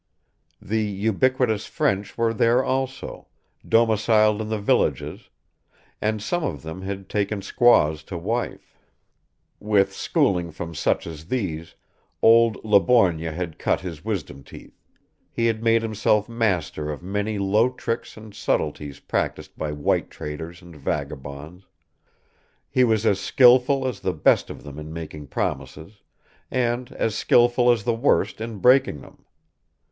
The ubiquitous French were there also, domiciled in the villages, and some of them had taken squaws to wife. With schooling from such as these, old Le Borgne had cut his wisdom teeth; he had made himself master of many low tricks and subtleties practiced by white traders and vagabonds; he was as skillful as the best of them in making promises, and as skillful as the worst in breaking them.